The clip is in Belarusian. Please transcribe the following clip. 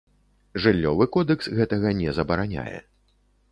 Жыллёвы кодэкс гэтага не забараняе.